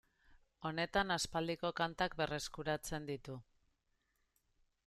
Honetan aspaldiko kantak berreskuratzen ditu.